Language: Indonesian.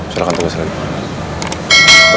silahkan tunggu sebentar